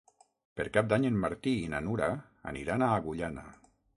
Per Cap d'Any en Martí i na Nura aniran a Agullana.